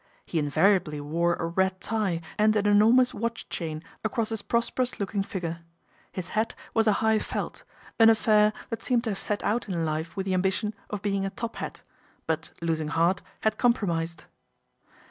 He invariably wore a red tie and an enormous watch chain across his prosperous looking figure. His hat was a high felt, an affair that seemed to have set out in life with the ambition of being a top hat, but losing heart had compromised.